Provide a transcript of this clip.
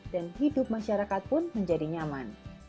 dan hidup masyarakat pun menjadi nyaman